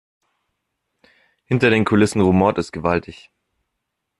Hinter den Kulissen rumort es gewaltig.